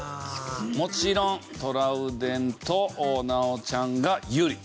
もちろんトラウデンと奈央ちゃんが有利。